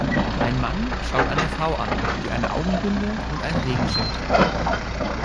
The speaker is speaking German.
Ein Mann schaut eine Frau an, die eine Augenbinde und einen Regenschirm trägt.